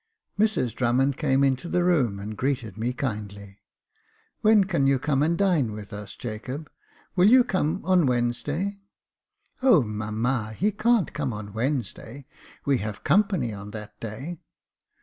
Mrs Drummond came into the room, and greeted me kindly. When can you come and dine with us, Jacob .'* Will you come on Wednesday ?"" Oh, mamma ! he can't come on Wednesday j we have company on that day."